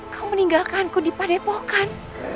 kau meninggalkanku di padepokan